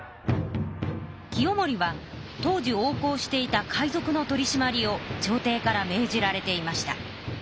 清盛は当時横行していた海ぞくの取りしまりをちょうていから命じられていました。